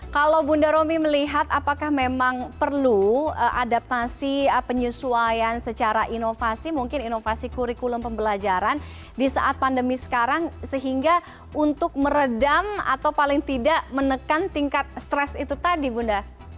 kalau bunda romi melihat apakah memang perlu adaptasi penyesuaian secara inovasi mungkin inovasi kurikulum pembelajaran di saat pandemi sekarang sehingga untuk meredam atau paling tidak menekan tingkat stres itu tadi bunda